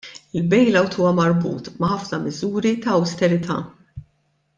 Il-bailout huwa marbut ma' ħafna miżuri ta' awsterità.